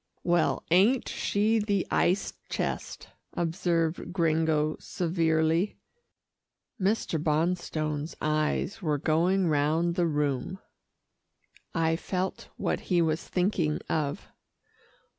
"Well, ain't she the ice chest," observed Gringo severely. Mr. Bonstone's eyes were going round the room. I felt what he was thinking of.